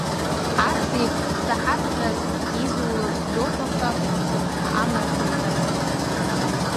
Асеиԥш шсаҳазҵәҟьа, изулак Гәдоуҭаҟа, сыԥҳа Амра сылзасит.